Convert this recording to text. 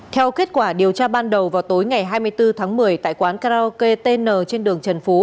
theo kết quả điều tra ban đầu vào tối ngày hai mươi bốn tháng một mươi tại quán karaoke tn trên đường trần phú